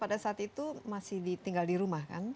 pada saat itu masih tinggal di rumah kan